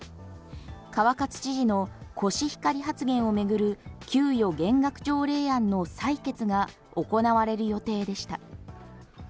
川勝知事のコシヒカリ発言を巡る給与減額条例案の採決が行われる予定でした。